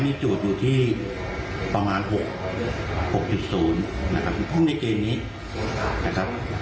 ๖๐นะครับพรุ่งในเกณฑ์นี้นะครับ